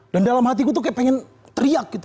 dan dalam hatiku tuh kayak pengen teriak gitu